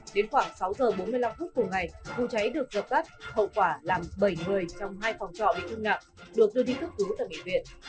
đến khoảng sáu h bốn mươi năm phút của ngày vụ cháy được dập gắt hậu quả làm bảy người trong hai phòng trọ bị thương nặng được đưa đi thức cứu tại bệnh viện